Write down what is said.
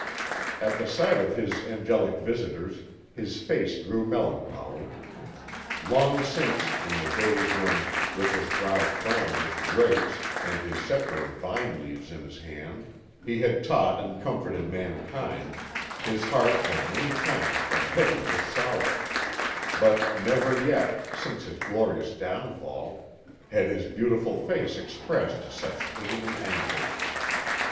At the sight of his angelic visitors his face grew melancholy. Long since, in the days when, with his brow crowned with grapes and his sceptre of vine leaves in his hand, he had taught and comforted mankind, his heart had many times been heavy with sorrow; but never yet, since his glorious downfall, had his beautiful face expressed such pain and anguish.